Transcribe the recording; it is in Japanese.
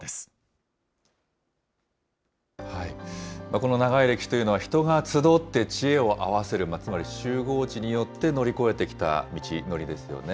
この長い歴史というのは、人が集って知恵を合わせる、つまり集合知によって乗り越えてきた道のりですよね。